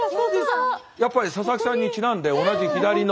やっぱり佐々木さんにちなんで同じ左の。